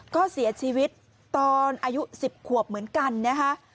ก็เสียชีวิตตอนอายุ๑๐ขวบเหมือนกันนะคะ